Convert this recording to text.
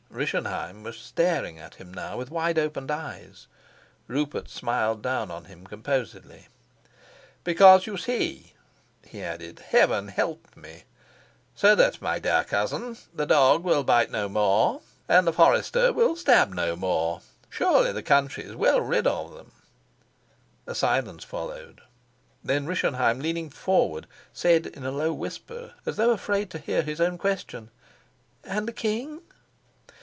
Rischenheim was staring at him now with wide opened eyes. Rupert smiled down on him composedly. "Because, you see," he added, "Heaven helped me. So that, my dear cousin, the dog will bite no more, and the forester will stab no more. Surely the country is well rid of them?" A silence followed. Then Rischenheim, leaning forward, said in a low whisper, as though afraid to hear his own question: "And the king?"